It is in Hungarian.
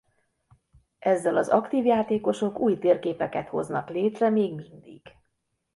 Ezzel az aktív játékosok új térképeket hoznak létre még mindig.